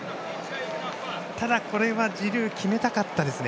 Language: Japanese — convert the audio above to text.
ただ、これはジルー決めたかったですね。